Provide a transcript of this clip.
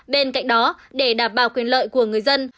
bên cạnh đó để đảm bảo quyền lợi của người dân